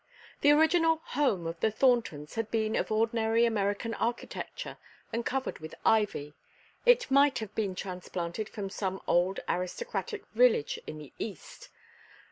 The original home of the Thorntons had been of ordinary American architecture and covered with ivy; it might have been transplanted from some old aristocratic village in the East.